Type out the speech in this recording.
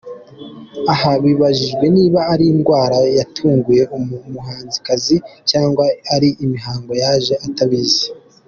Aha hibajijwe niba ari indwara yatunguye uyu muhanzikazi cyangwa ari imihango yaje atabizi.